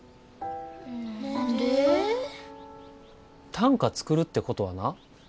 短歌作るってことはな